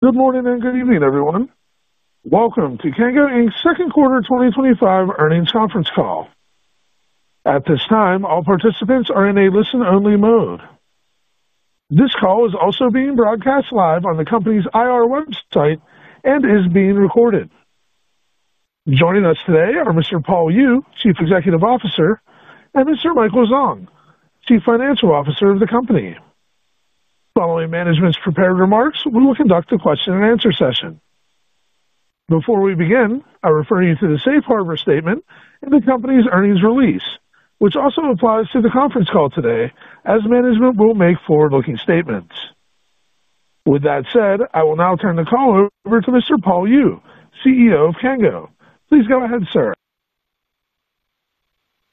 Good morning and good evening, everyone. Welcome to Cango Inc.'s Second Quarter 2025 Earnings Conference Call. At this time, all participants are in a listen-only mode. This call is also being broadcast live on the company's IR website and is being recorded. Joining us today are Mr. Paul Yu, Chief Executive Officer, and Mr. Michael Zhang, Chief Financial Officer of the company. Following management's prepared remarks, we will conduct a question-and-answer session. Before we begin, I refer you to the safe harbor statement in the company's earnings release, which also applies to the conference call today, as management will make forward-looking statements. With that said, I will now turn the call over to Mr. Paul Yu, CEO of Cango. Please go ahead, sir.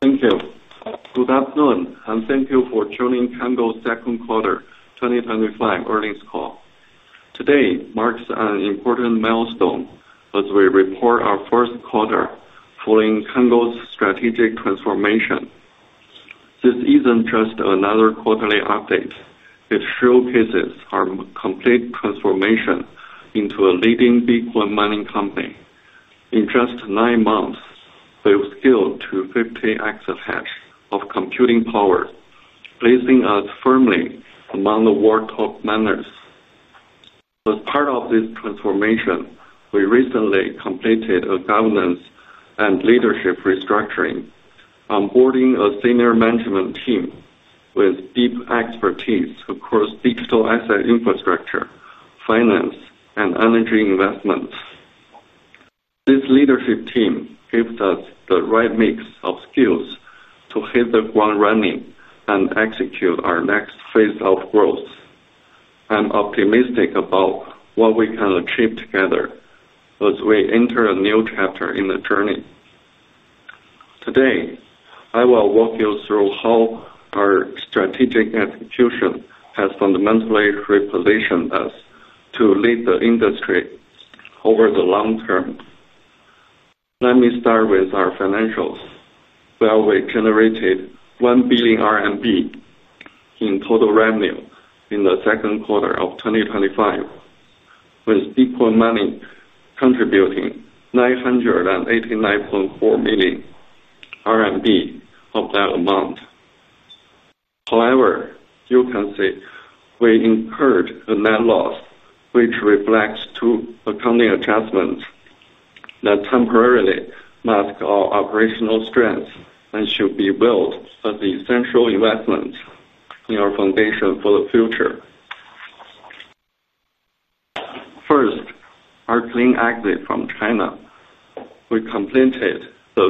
Thank you. Good afternoon, and thank you for joining Cango Inc.'s Second Quarter 2025 Earnings Call. Today marks an important milestone as we report our first quarter following Cango Inc.'s strategic transformation. This isn't just another quarterly update, it showcases our complete transformation into a leading Bitcoin mining company. In just nine months, we've scaled to 50 EH of computing power, placing us firmly among the world's top miners. As part of this transformation, we recently completed a governance and leadership restructuring, onboarding a senior management team with deep expertise across digital asset infrastructure, finance, and energy investments. This leadership team gives us the right mix of skills to hit the ground running and execute our next phase of growth. I'm optimistic about what we can achieve together as we enter a new chapter in the journey. Today, I will walk you through how our strategic execution has fundamentally repositioned us to lead the industry over the long term. Let me start with our financials, where we generated 1 billion RMB in total revenue in the second quarter of 2025, with Bitcoin mining contributing 989.4 million RMB of that amount. However, you can see we incurred a net loss, which reflects two accounting adjustments that temporarily mask our operational strengths and should be billed as essential investments in our foundation for the future. First, our clean exit from China. We completed the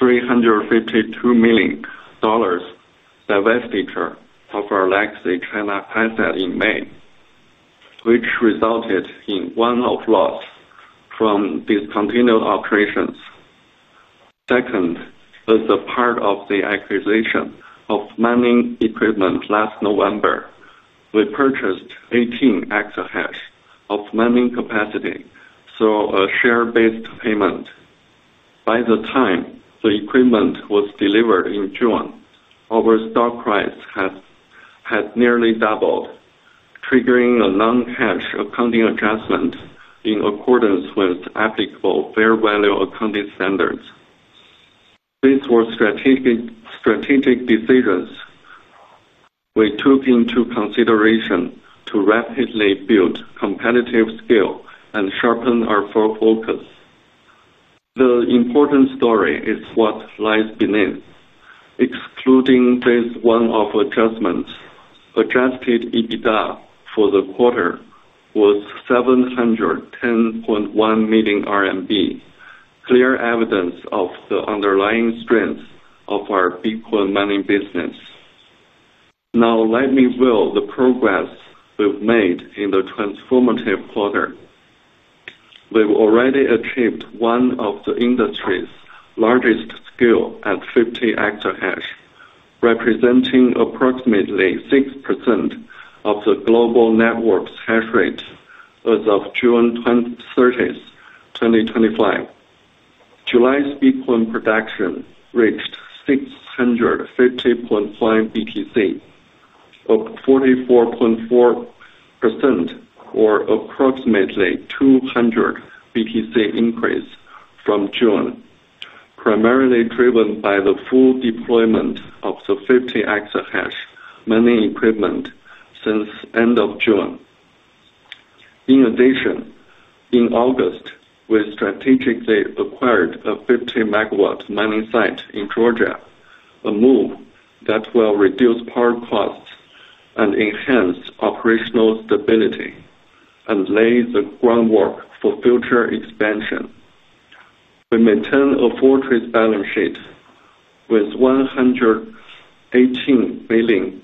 $352 million divestiture of our legacy China asset in May, which resulted in a one-off loss from discontinued operations. Second, as a part of the acquisition of mining equipment last November, we purchased 18 EH of mining capacity through a share-based payment. By the time the equipment was delivered in June, our stock price had nearly doubled, triggering a non-cash accounting adjustment in accordance with applicable fair value accounting standards. These were strategic decisions we took into consideration to rapidly build competitive scale and sharpen our focus. The important story is what lies beneath. Excluding this one-off adjustment, adjusted EBITDA for the quarter was 710.1 million RMB, clear evidence of the underlying strength of our Bitcoin mining business. Now, let me build the progress we've made in the transformative quarter. We've already achieved one of the industry's largest scales at 50 EH, representing approximately 6% of the global network's hash rate as of June 30, 2025. July's Bitcoin production reached 650.5 BTC, up 44.4%, or approximately 200 BTC increase from June, primarily driven by the full deployment of the 50 EH mining equipment since the end of June. In addition, in August, we strategically acquired a 50-MW mining site in Georgia, a move that will reduce power costs and enhance operational stability, and lay the groundwork for future expansion. We maintain a fortress balance sheet with $118 million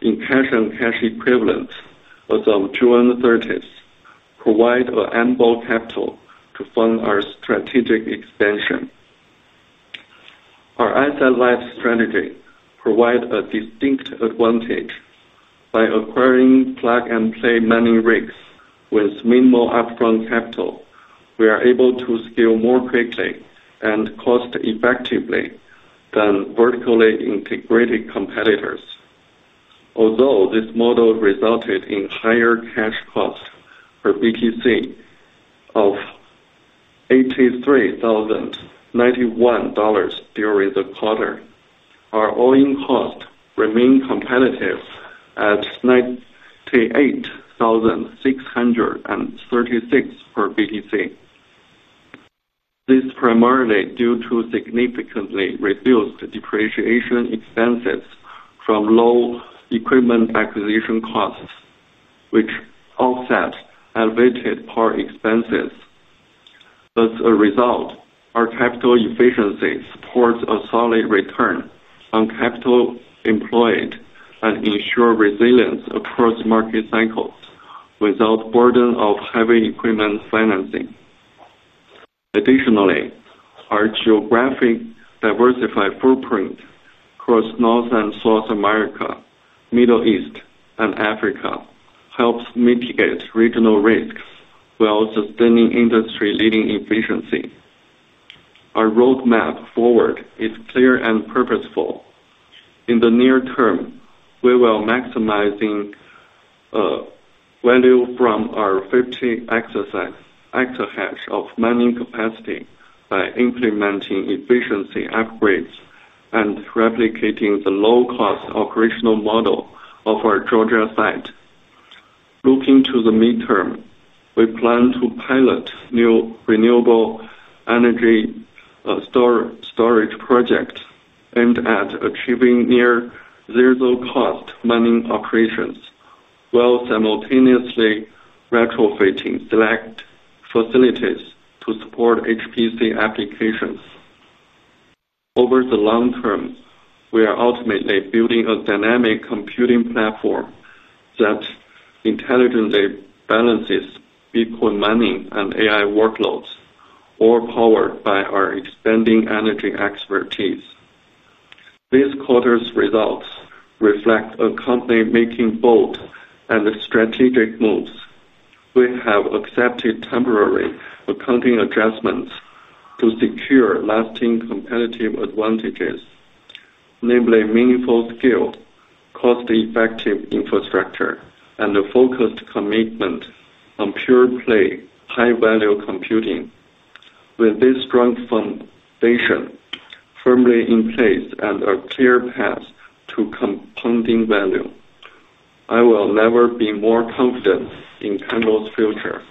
in cash and cash equivalents as of June 30, providing ample capital to fund our strategic expansion. Our asset-led strategy provides a distinct advantage. By acquiring plug-and-play mining rigs with minimal upfront capital, we are able to scale more quickly and cost-effectively than vertically integrated competitors. Although this model resulted in higher cash costs per BTC of $83,091 during the quarter, our all-in cost remained competitive at $98,636 per BTC. This is primarily due to significantly reduced depreciation expenses from low equipment acquisition costs, which offset elevated power expenses. As a result, our capital efficiency supports a solid return on capital employed and ensures resilience across market cycles without the burden of heavy equipment financing. Additionally, our geographically diversified footprint across North and South America, Middle East, and Africa helps mitigate regional risks while sustaining industry-leading efficiency. Our roadmap forward is clear and purposeful. In the near term, we will maximize value from our 50 EH of mining capacity by implementing efficiency upgrades and replicating the low-cost operational model of our Georgia site. Looking to the midterm, we plan to pilot new renewable energy storage projects aimed at achieving near-zero cost mining operations while simultaneously retrofitting select facilities to support HPC applications. Over the long term, we are ultimately building a dynamic computing platform that intelligently balances Bitcoin mining and AI workloads, all powered by our expanding energy expertise. This quarter's results reflect a company making bold and strategic moves. We have accepted temporary accounting adjustments to secure lasting competitive advantages, namely meaningful skill, cost-effective infrastructure, and a focused commitment on pure-play, high-value computing. With this strong foundation firmly in place and a clear path to compounding value, I will never be more confident in Cango's future.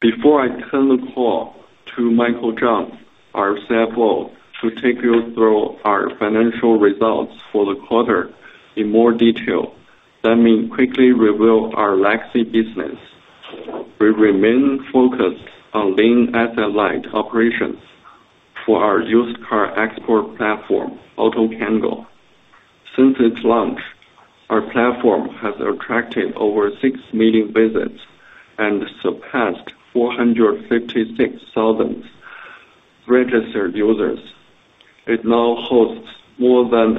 Before I turn the call to Michael Zhang, our CFO, to take you through our financial results for the quarter in more detail, let me quickly reveal our legacy business. We remain focused on lean asset-led operations for our used car export platform, AutoCango. Since its launch, our platform has attracted over 6 million visits and surpassed 456,000 registered users. It now hosts more than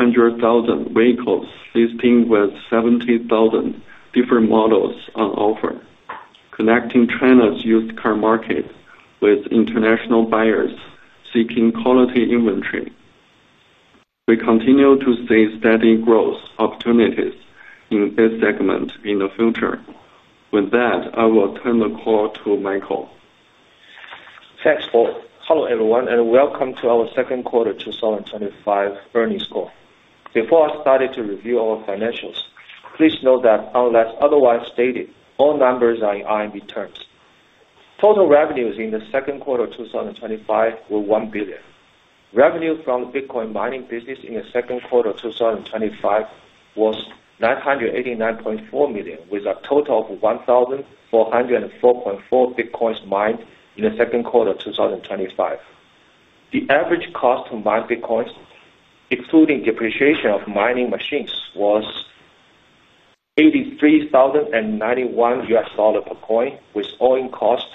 800,000 vehicles, listing with 70,000 different models on offer, connecting China's used car market with international buyers seeking quality inventory. We continue to see steady growth opportunities in this segment in the future. With that, I will turn the call to Michael. Thanks, Paul. Hello, everyone, and welcome to our Second Quarter 2025 Earnings Call. Before I start to review our financials, please note that unless otherwise stated, all numbers are in RMB terms. Total revenues in the second quarter of 2025 were 1 billion. Revenue from the BTC mining business in the second quarter of 2025 was 989.4 million, with a total of 1,404.4 BTC mined in the second quarter of 2025. The average cost to mine BTC, including depreciation of mining machines, was $83,091 USD per coin, with all-in costs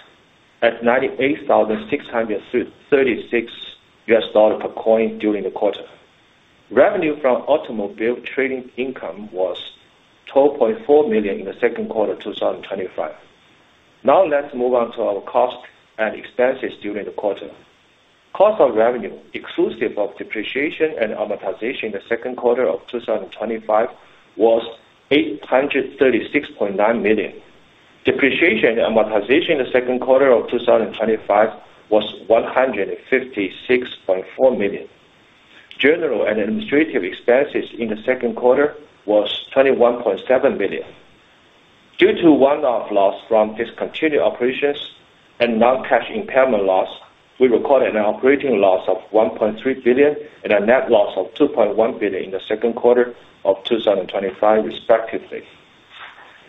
at $98,636 USD per coin during the quarter. Revenue from automobile trading income was 12.4 million in the second quarter of 2025. Now let's move on to our cost and expenses during the quarter. Cost of revenue, exclusive of depreciation and amortization in the second quarter of 2025, was 836.9 million. Depreciation and amortization in the second quarter of 2025 was 156.4 million. General and administrative expenses in the second quarter were 21.7 million. Due to one-off loss from discontinued operations and non-cash impairment loss, we recorded an operating loss of 1.3 billion and a net loss of 2.1 billion in the second quarter of 2025, respectively.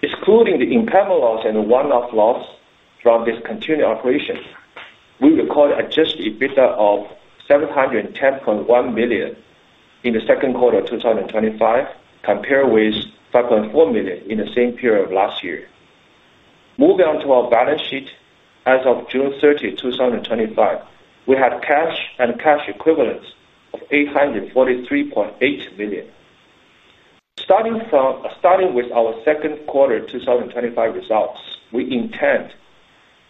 Excluding the impairment loss and one-off loss from discontinued operations, we recorded an adjusted EBITDA of 710.1 million in the second quarter of 2025, compared with 5.4 million in the same period of last year. Moving on to our balance sheet, as of June 30, 2025, we had cash and cash equivalents of 843.8 million. Starting with our second quarter 2025 results, we intend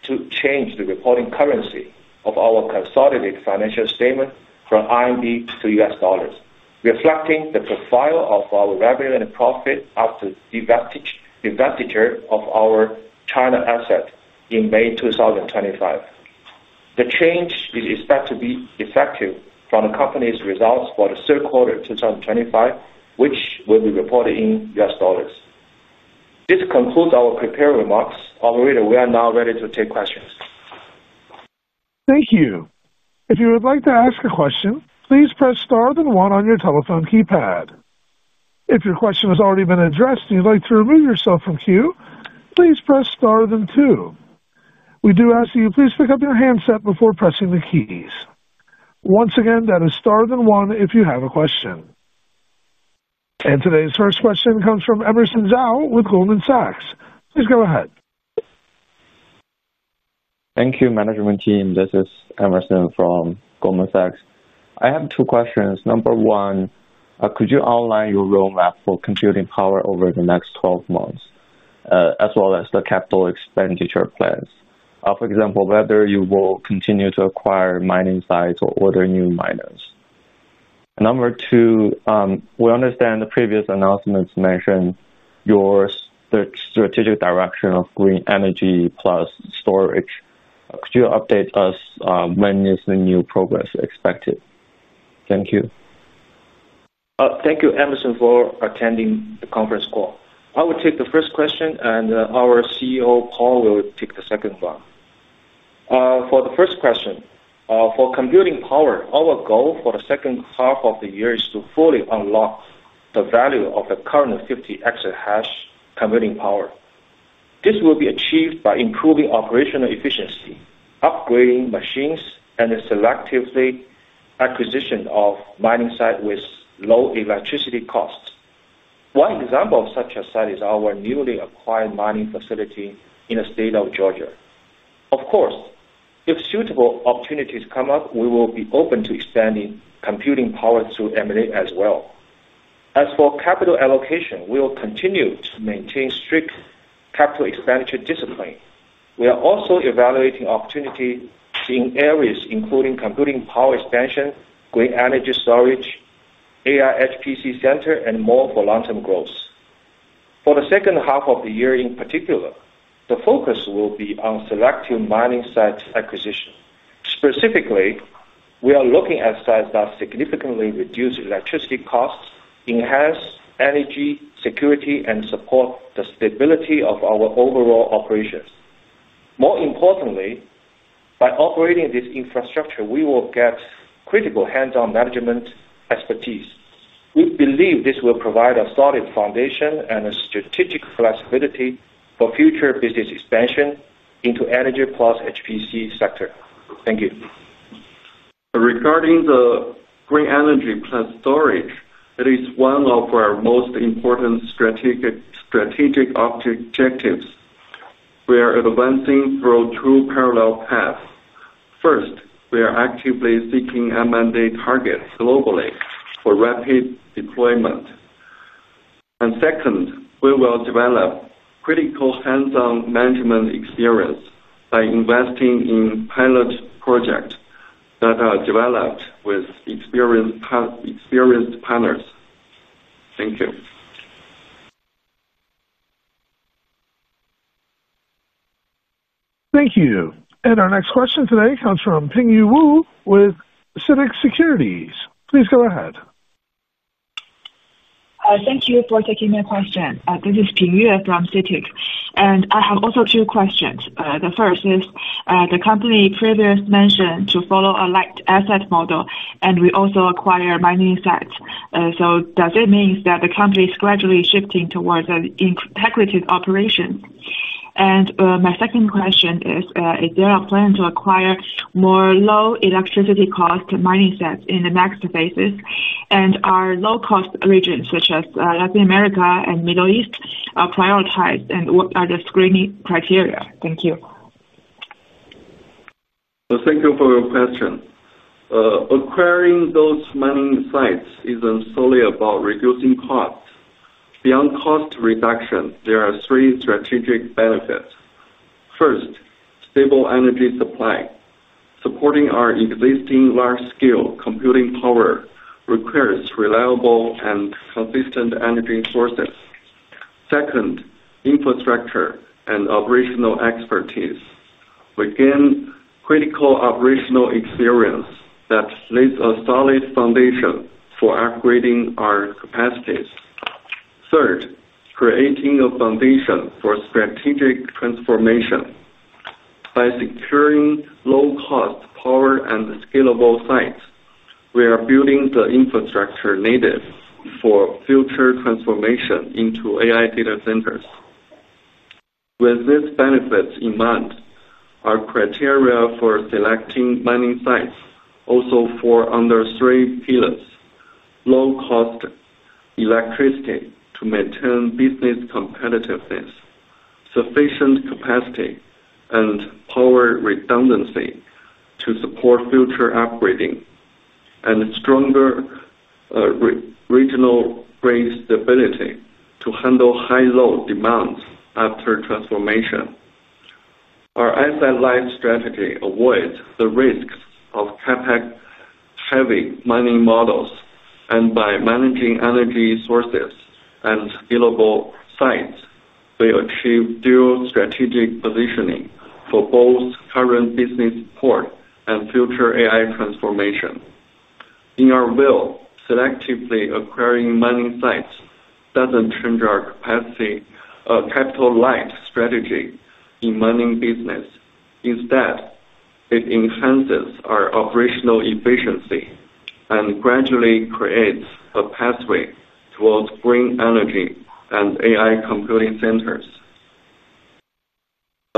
to change the reporting currency of our consolidated financial statement from RMB to US dollars, reflecting the profile of our revenue and profit after the divestiture of our China asset in May 2025. The change is expected to be effective from the company's results for the third quarter of 2025, which will be reported in US dollars. This concludes our prepared remarks. Overall, we are now ready to take questions. Thank you. If you would like to ask a question, please press star then one on your telephone keypad. If your question has already been addressed and you'd like to remove yourself from queue, please press star then two. We do ask that you please pick up your handset before pressing the keys. Once again, that is star then one if you have a question. Today's first question comes from Emerson Zhao with Goldman Sachs. Please go ahead. Thank you, management team. This is Emerson from Goldman Sachs. I have two questions. Number one, could you outline your roadmap for computing power over the next 12 months, as well as the capital expenditure plans? For example, whether you will continue to acquire mining sites or order new miners. Number two, we understand the previous announcements mentioned your strategic direction of green energy plus storage. Could you update us when is the new progress expected? Thank you. Thank you, Emerson, for attending the conference call. I will take the first question, and our CEO, Paul, will take the second one. For the first question, for computing power, our goal for the second half of the year is to fully unlock the value of the current 50 EH computing power. This will be achieved by improving operational efficiency, upgrading machines, and selective acquisition of mining sites with low electricity costs. One example of such a site is our newly acquired mining facility in the state of Georgia. Of course, if suitable opportunities come up, we will be open to expanding computing power through M&A as well. As for capital allocation, we will continue to maintain strict capital expenditure discipline. We are also evaluating opportunities in areas including computing power expansion, green energy storage, AI HPC center, and more for long-term growth. For the second half of the year, in particular, the focus will be on selective mining site acquisition. Specifically, we are looking at sites that significantly reduce electricity costs, enhance energy security, and support the stability of our overall operations. More importantly, by operating this infrastructure, we will get critical hands-on management expertise. We believe this will provide a solid foundation and a strategic flexibility for future business expansion into the energy plus HPC sector. Thank you. Regarding the green energy plus storage, it is one of our most important strategic objectives. We are advancing through two parallel paths. First, we are actively seeking M&A targets globally for rapid deployment. Second, we will develop critical hands-on management experience by investing in pilot projects that are developed with experienced partners. Thank you. Thank you. Our next question today comes from Pingyue Wu with CITIC Securities. Please go ahead. Thank you for taking my question. This is Pingyue Wu from CITIC Securities. I have also two questions. The first is, the company previously mentioned to follow a light asset model, and we also acquire mining sites. Does it mean that the company is gradually shifting towards an integrated operation? My second question is, is there a plan to acquire more low electricity cost mining sites in the next phases? Are low-cost regions such as South America and the Middle East prioritized, and what are the screening criteria? Thank you. Thank you for your question. Acquiring those mining sites isn't solely about reducing costs. Beyond cost reduction, there are three strategic benefits. First, stable energy supply. Supporting our existing large-scale computing power requires reliable and consistent energy sources. Second, infrastructure and operational expertise. Again, critical operational experience that leads a solid foundation for upgrading our capacities. Third, creating a foundation for strategic transformation. By securing low-cost power and scalable sites, we are building the infrastructure needed for future transformation into AI data centers. With these benefits in mind, our criteria for selecting mining sites also fall under three pillars: low-cost electricity to maintain business competitiveness, sufficient capacity and power redundancy to support future upgrading, and stronger regional grid stability to handle high load demands after transformation. Our asset-led strategy avoids the risks of CapEx-heavy mining models, and by managing energy sources and scalable sites, we achieve dual strategic positioning for both current business support and future AI transformation. In our view, selectively acquiring mining sites doesn't change our capital-led strategy in mining business. Instead, it enhances our operational efficiency and gradually creates a pathway towards green energy and AI computing centers.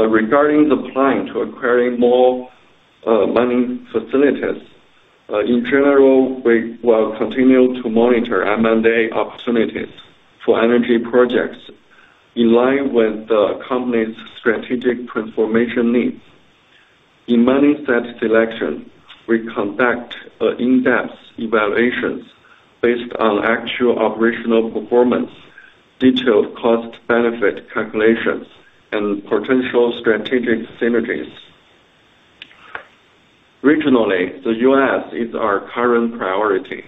Regarding the plan to acquire more mining facilities, in general, we will continue to monitor M&A opportunities for energy projects in line with the company's strategic transformation needs. In mining site selection, we conduct in-depth evaluations based on actual operational performance, detailed cost-benefit calculations, and potential strategic synergies. Regionally, the U.S. is our current priority.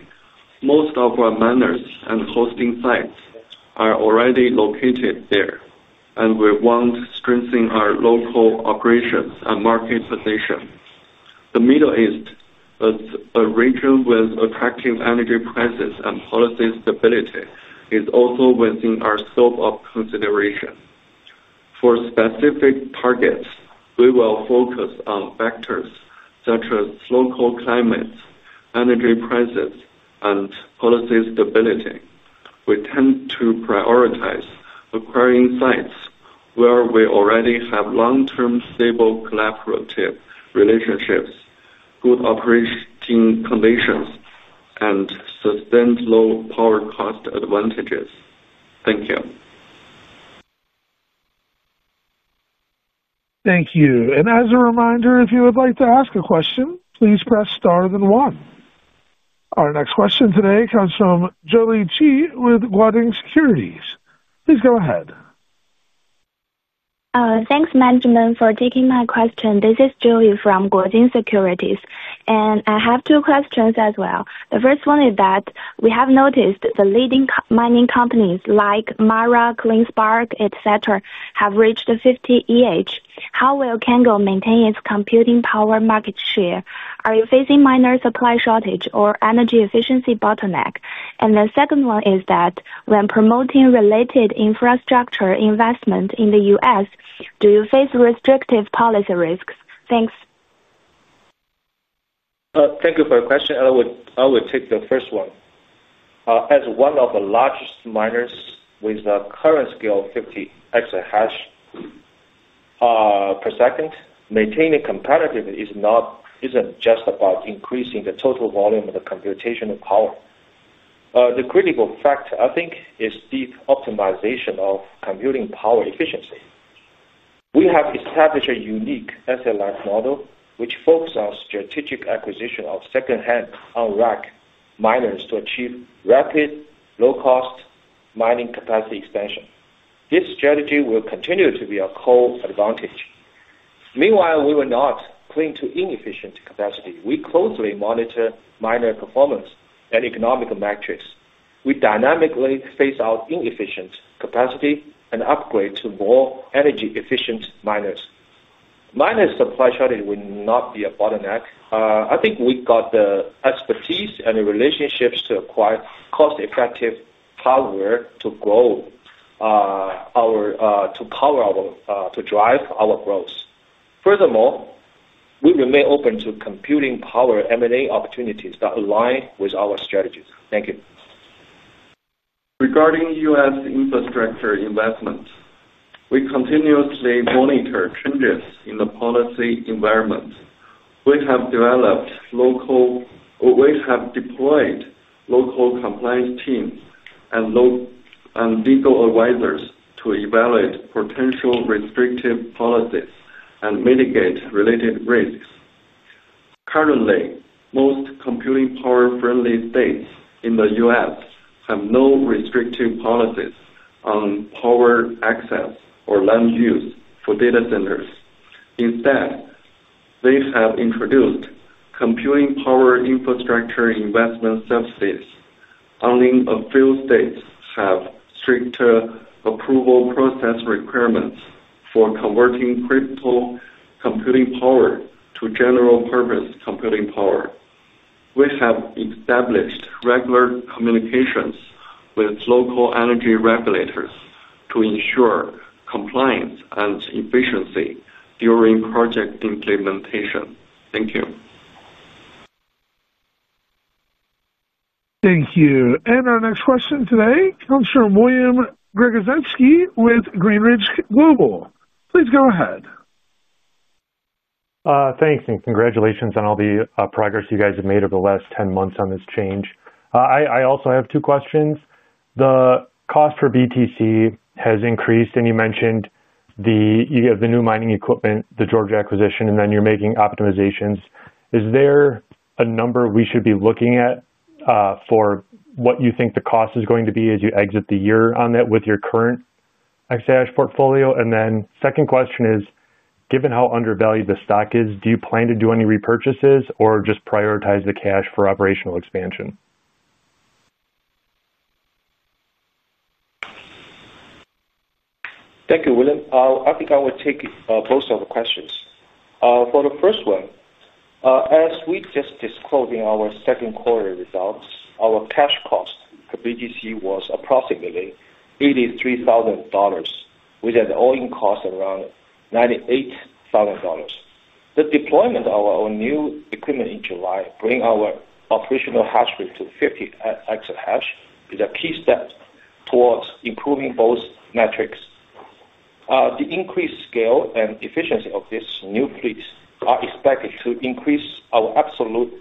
Most of our miners and hosting sites are already located there, and we want to strengthen our local operations and market position. The Middle East, a region with attractive energy prices and policy stability, is also within our scope of consideration. For specific targets, we will focus on factors such as local climates, energy prices, and policy stability. We tend to prioritize acquiring sites where we already have long-term stable collaborative relationships, good operating conditions, and sustained low power cost advantages. Thank you. Thank you. As a reminder, if you would like to ask a question, please press star then one. Our next question today comes from Joey Chi with Guosen Securities. Please go ahead. Thanks, management, for taking my question. This is Joey from Guosen Securities, and I have two questions as well. The first one is that we have noticed the leading mining companies like Mara, CleanSpark, et cetera, have reached 50 EH. How will Cango maintain its computing power market share? Are you facing miner supply shortage or energy efficiency bottleneck? The second one is that when promoting related infrastructure investment in the U.S., do you face restrictive policy risks? Thanks. Thank you for your question. I would take the first one. As one of the largest miners with a current scale of 50 EH/s, maintaining competitiveness isn't just about increasing the total volume of the computational power. The critical factor, I think, is the optimization of computing power efficiency. We have established a unique asset-led model, which focuses on strategic acquisition of second-hand unracked miners to achieve rapid, low-cost mining capacity expansion. This strategy will continue to be a core advantage. Meanwhile, we will not cling to inefficient capacity. We closely monitor miner performance and economic metrics. We dynamically phase out inefficient capacity and upgrade to more energy-efficient miners. Miner supply shortage will not be a bottleneck. I think we've got the expertise and relationships to acquire cost-effective hardware to power our growth. Furthermore, we remain open to computing power M&A opportunities that align with our strategies. Thank you. Regarding U.S. infrastructure investment, we continuously monitor changes in the policy environment. We have deployed local compliance teams and legal advisors to evaluate potential restrictive policies and mitigate related risks. Currently, most computing power-friendly states in the U.S. have no restrictive policies on power access or land use for data centers. Instead, they have introduced computing power infrastructure investment subsidies. Only a few states have stricter approval process requirements for converting critical computing power to general-purpose computing power. We have established regular communications with local energy regulators to ensure compliance and efficiency during project implementation. Thank you. Thank you. Our next question today comes from William Gregorzeski with Greenridge Global. Please go ahead. Thanks, and congratulations on all the progress you guys have made over the last 10 months on this change. I also have two questions. The cost for BTC has increased, and you mentioned you have the new mining equipment, the Georgia acquisition, and you're making optimizations. Is there a number we should be looking at for what you think the cost is going to be as you exit the year on that with your current EH portfolio? The second question is, given how undervalued the stock is, do you plan to do any repurchases or just prioritize the cash for operational expansion? Thank you, William. I think I will take both of the questions. For the first one, as we just disclosed in our second quarter results, our cash cost for BTC was approximately $83,000, with an all-in cost around $98,000. The deployment of our new equipment in July brings our operational hash rate to 50 EH, a key step towards improving both metrics. The increased scale and efficiency of this new peak are expected to increase our absolute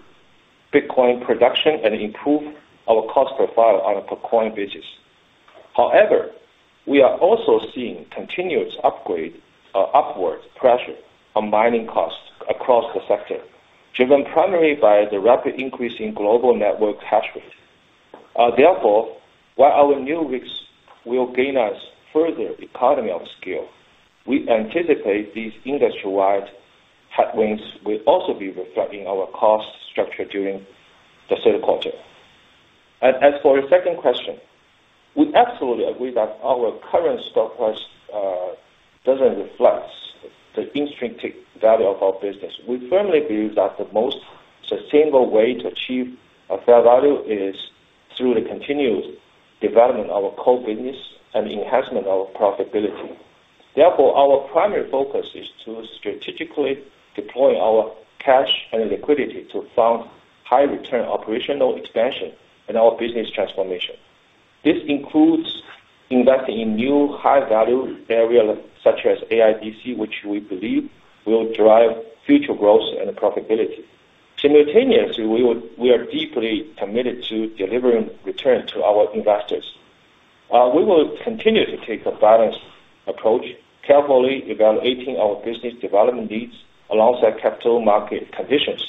BTC production and improve our cost profile on a per-coin basis. However, we are also seeing continuous upward pressure on mining costs across the sector, driven primarily by the rapid increase in global network hash rates. Therefore, while our new risks will gain us further economy of scale, we anticipate these industry-wide headwinds will also be reflected in our cost structure during the third quarter. As for your second question, we absolutely agree that our current stock price doesn't reflect the instant value of our business. We firmly believe that the most sustainable way to achieve a fair value is through the continuous development of our core business and enhancement of profitability. Therefore, our primary focus is to strategically deploy our cash and liquidity to fund high-return operational expansion and our business transformation. This includes investing in new high-value areas such as AIDC, which we believe will drive future growth and profitability. Simultaneously, we are deeply committed to delivering return to our investors. We will continue to take a balanced approach, carefully evaluating our business development needs alongside capital market conditions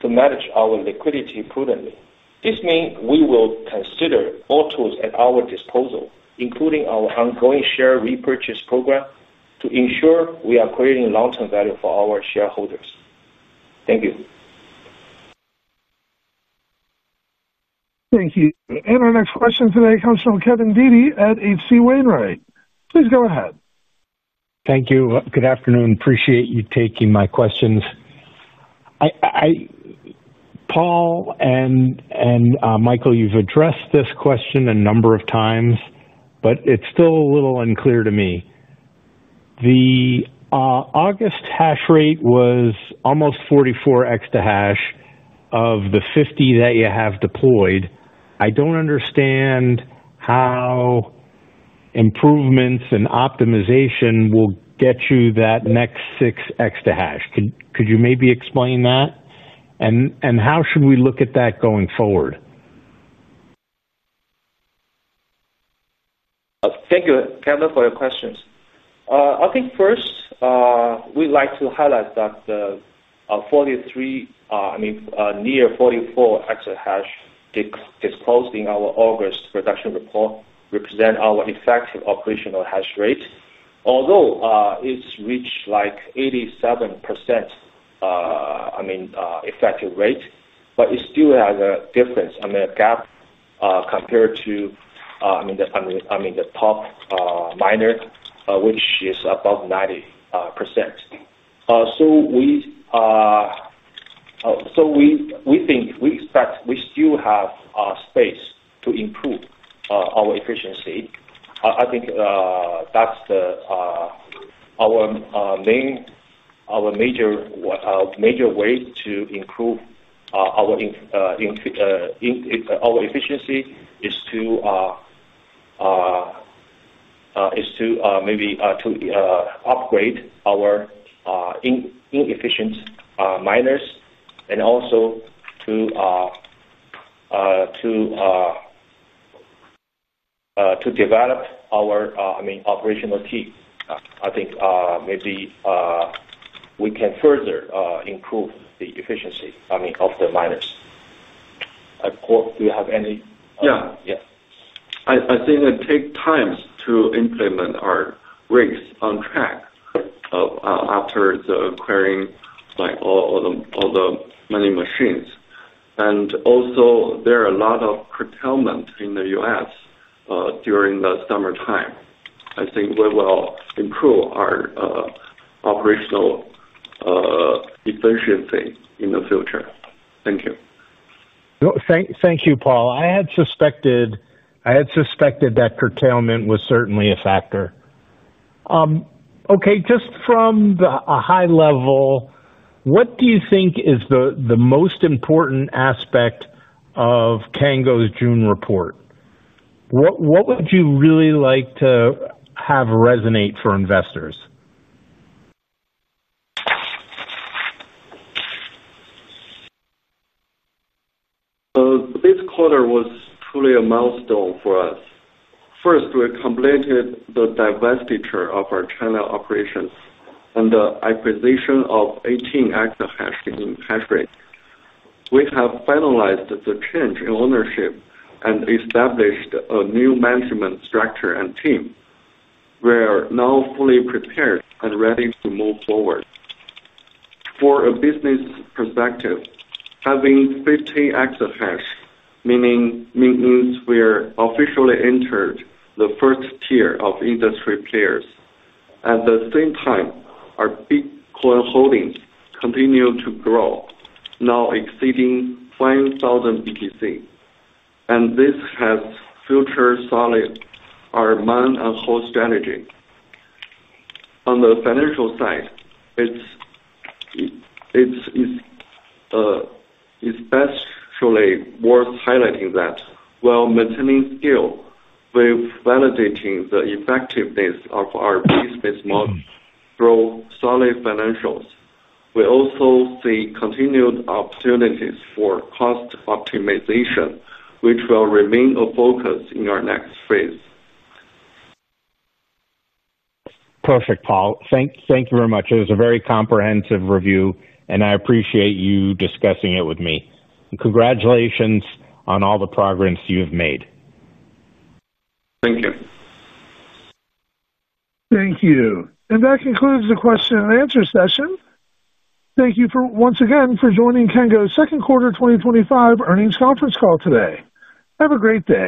to manage our liquidity prudently. This means we will consider all tools at our disposal, including our ongoing share repurchase program, to ensure we are creating long-term value for our shareholders. Thank you. Thank you. Our next question today comes from Kevin Dede at H.C. Wainwright. Please go ahead. Thank you. Good afternoon. Appreciate you taking my questions. Paul and Michael, you've addressed this question a number of times, but it's still a little unclear to me. The August hash rate was almost 44 EH of the 50 that you have deployed. I don't understand how improvements and optimization will get you that next six EH. Could you maybe explain that? How should we look at that going forward? Thank you, Kevin, for your questions. I think first, we'd like to highlight that the 43, I mean, near 44 EH disclosed in our August production report represent our effective operational hash rate. Although it's reached 87% effective rate, it still has a difference, a gap compared to the top miner, which is above 90%. We think we expect we still have space to improve our efficiency. I think our major way to improve our efficiency is to maybe upgrade our inefficient miners and also to develop our operational team. I think maybe we can further improve the efficiency of the miners. If you have any. Yeah. I think it takes time to implement our rates on track after acquiring all the mining machines. Also, there are a lot of curtailments in the U.S. during the summertime. I think we will improve our operational efficiency in the future. Thank you. Thank you, Paul. I had suspected that curtailment was certainly a factor. Okay, just from a high level, what do you think is the most important aspect of Cango's June report? What would you really like to have resonate for investors? This quarter was truly a milestone for us. First, we completed the divestiture of our China operations and the acquisition of 18 EH in hash rate. We have finalized the change in ownership and established a new management structure and team. We are now fully prepared and ready to move forward. From a business perspective, having 15 EH means we are officially entered the first tier of industry players. At the same time, our Bitcoin holding continues to grow, now exceeding 5,000 BTC. This helps further solidify our man-on-hold strategy. On the financial side, it's especially worth highlighting that while maintaining scale, we're validating the effectiveness of our B2B model through solid financials. We also see continued opportunities for cost optimization, which will remain a focus in our next phase. Perfect, Paul. Thank you very much. It was a very comprehensive review, and I appreciate you discussing it with me. Congratulations on all the progress you have made. Thank you. Thank you. That concludes the question and answer session. Thank you once again for joining Cango Inc.'s second quarter 2025 earnings conference call today. Have a great day.